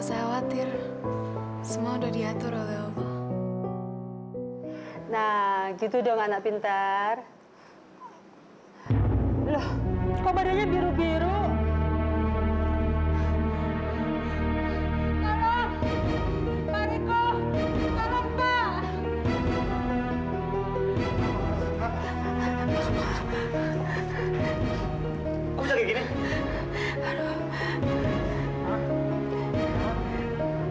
sampai jumpa di video selanjutnya